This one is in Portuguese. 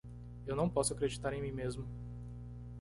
Eu não posso acreditar em mim mesmo.